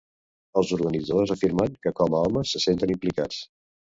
Els organitzadors afirmen que com a homes se senten implicats.